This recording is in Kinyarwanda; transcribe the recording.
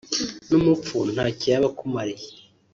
ni umupfu ntacyo yaba akumariye